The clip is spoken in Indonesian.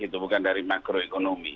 itu bukan dari makroekonomi